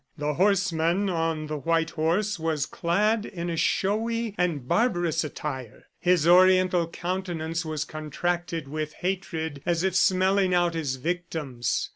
The horseman on the white horse was clad in a showy and barbarous attire. His Oriental countenance was contracted with hatred as if smelling out his victims.